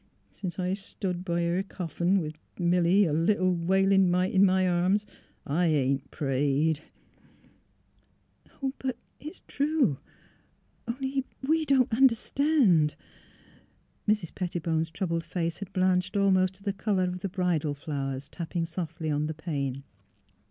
... Since I stood b' her coffin — with — Milly, a little wailin' mite in my arms — I ain't prayed. ..."" Bnt — but it's true — only we — we don't — understand. '' Mrs. Pettibone 's troubled face had blanched almost to the colour of the bridal flowers tapping softly on the pane.